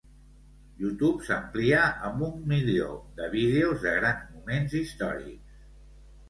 YouTube s'amplia amb un milió de vídeos de grans moments històrics.